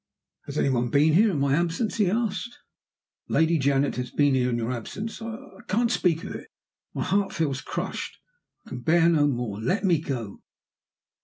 "Has any one been here in my absence?" he asked. "Lady Janet has been here in your absence. I can't speak of it my heart feels crushed I can bear no more. Let me go!"